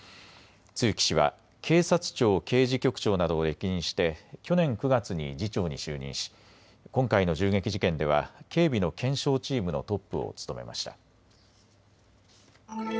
露木氏は警察庁刑事局長などを歴任して去年９月に次長に就任し今回の銃撃事件では警備の検証チームのトップを務めました。